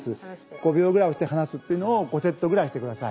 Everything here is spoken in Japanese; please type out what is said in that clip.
５秒ぐらい押して離すっていうのを５セットぐらいしてください。